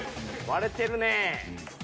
割れてるねぇ。